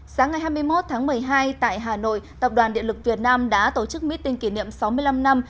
sáng ngày hai mươi một tháng một mươi hai tại hà nội tập đoàn điện lực việt nam đã tổ chức meeting kỷ niệm sáu mươi năm năm